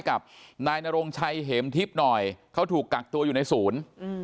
กับนายนโรงชัยเห็มทิพย์หน่อยเขาถูกกักตัวอยู่ในศูนย์